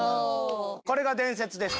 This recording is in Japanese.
これが伝説です。